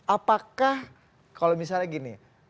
apakah kalau misalnya gini